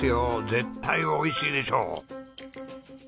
絶対おいしいでしょ。